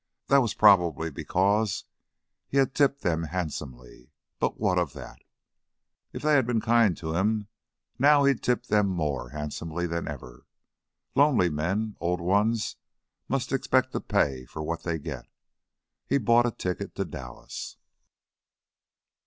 That was probably because he had tipped them handsomely, but what of that? If they'd be kind to him now he'd tip them more handsomely than ever. Lonely men old ones must expect to pay for what they get. He bought a ticket to Dallas.